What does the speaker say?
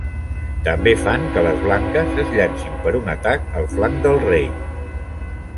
També fan que les blanques es llancin per un atac al flanc de rei.